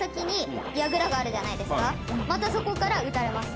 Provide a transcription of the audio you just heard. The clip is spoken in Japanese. また、そこから撃たれます。